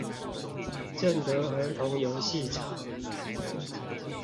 正德兒童遊戲場